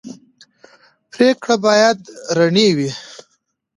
پرېکړې باید رڼې وي